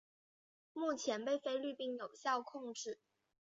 目前被菲律宾有效控制。